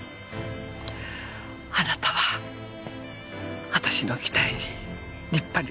あなたは私の期待に立派に応えてくれた。